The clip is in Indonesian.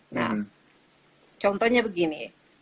nah contohnya begini